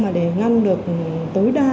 mà để ngăn được tối đa